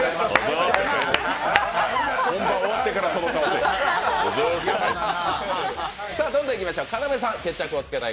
本番終わってからその顔せい。